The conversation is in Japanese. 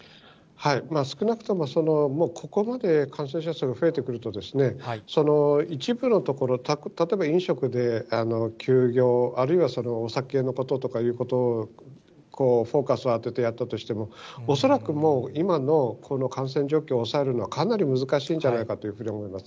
少なくともここまで感染者数が増えてくると、一部のところ、例えば飲食で休業、あるいはお酒のこととかということにフォーカスを当ててやったとしても、恐らくもう、今のこの感染状況を抑えるのはかなり難しいんじゃないかというふうに思います。